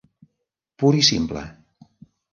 Pur i simple.